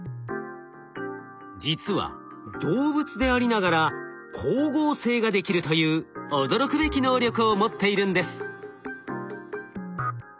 実は動物でありながら光合成ができるという驚くべき能力を持っているんです。